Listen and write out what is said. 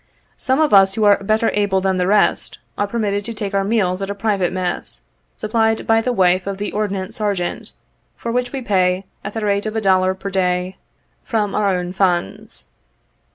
Some of us, who are better able than the rest, are per mitted to take our meals at a private mess, supplied by the wife of the Ordnance Sergeant, for which we pay, at the rate of a dollar per day, from our own funds.